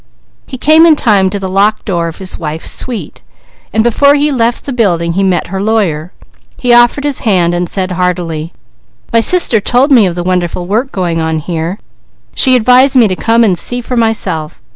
He came in time to the locked door of his wife's suite, and before he left the building he met her lawyer. He offered his hand and said heartily: "My sister told me of the wonderful work going on here; she advised me to come and see for myself.